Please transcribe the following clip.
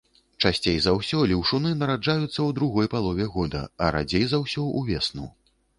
Часцей за ўсё леўшуны нараджаюцца ў другой палове года, а радзей за ўсё ўвесну.